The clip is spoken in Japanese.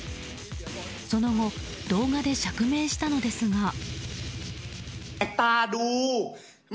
その後動画で釈明したのですが。